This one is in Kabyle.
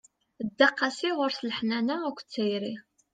Dda qasi, ɣur-s leḥnana akked tayri.